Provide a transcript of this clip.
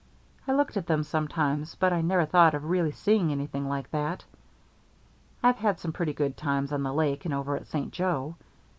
I looked at them sometimes, but I never thought of really seeing anything like that. I've had some pretty good times on the lake and over at St. Joe.